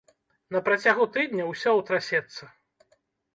На працягу тыдня ўсё ўтрасецца.